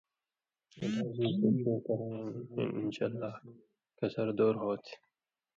ہِلاک دیسے ݜے کرَیں ہِن انشاءاللہ کھسر دُور ہوتھی۔